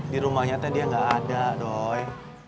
di rumahnya teh dia gak ada doi